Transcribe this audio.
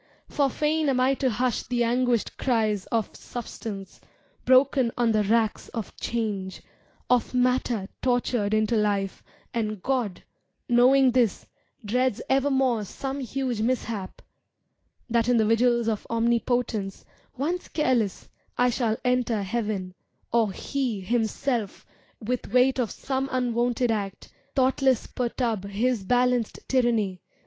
For fain am I to hush the anguished cries Of Substance, broken on the racks of Change, Of Matter tortured into life, and God, r«s> n SP: < \AS^ o, %l Knowing this, dreads evermore some huge mishap— That in the vigils of Omnipotence Once careless, I shall enter heav'n, or He, Himself, with weight of some unwonted act. Thoughtless perturb His balanced tyranny.